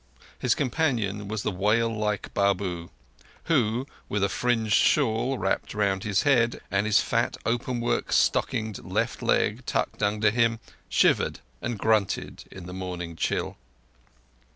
His companion was the whale like Babu, who, with a fringed shawl wrapped round his head, and his fat openwork stockinged left leg tucked under him, shivered and grunted in the morning chill.